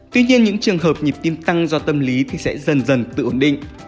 tuy nhiên những trường hợp nhịp tim tăng do tâm lý thì sẽ dần dần tự ổn định